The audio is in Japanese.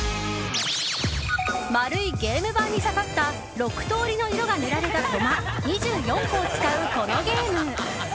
丸いゲーム盤にささった６通りの色が塗られたコマ２４個を使う、このゲーム。